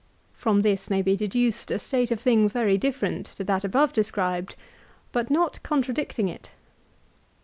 1 From this may be deduced a state of things very different to that above described ; but not contradicting it.